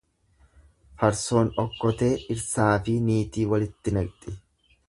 Farsoon okkotee dhirsaafi niitii walitti naqxi.